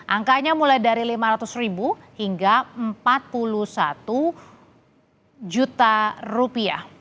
angkanya mulai dari rp lima ratus hingga rp empat puluh satu